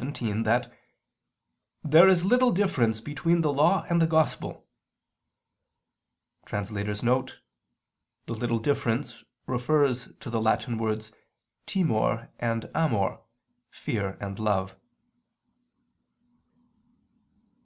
xvii) that "there is little difference between the Law and Gospel" [*The 'little difference' refers to the Latin words 'timor' and 'amor'] "fear and love."